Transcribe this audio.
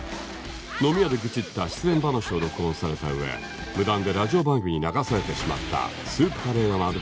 飲み屋で愚痴った失恋話を録音された上無断でラジオ番組に流されてしまったスープカレー屋のアルバイト店員